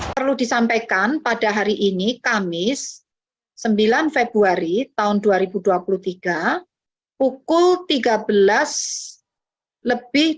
perlu disampaikan pada hari ini kamis sembilan februari tahun dua ribu dua puluh tiga pukul tiga belas lebih dua puluh